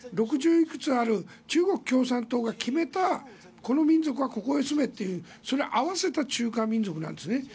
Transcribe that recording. いくつある中国共産党が決めたこの民族はここに住めというそれを合わせた中華民族なんですね。